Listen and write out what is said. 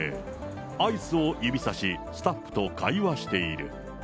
アイスを指さし、スタッフと会話している。